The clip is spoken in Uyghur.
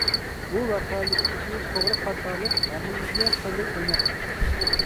بۇ ۋەقەلىكتىكى توغرا-خاتالىق ھەممىمىزگە خېلى ئېنىق.